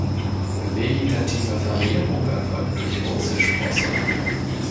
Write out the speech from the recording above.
Vegetative Vermehrung erfolgt durch Wurzelsprosse.